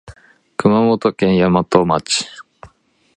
熊本県山都町